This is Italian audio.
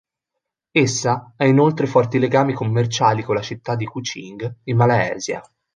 Essa ha inoltre forti legami commerciali con la città di Kuching, in Malaysia.